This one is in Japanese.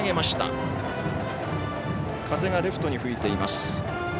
風がレフトに吹いています。